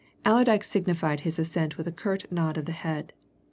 Allerdyke signified his assent with a curt nod of the head.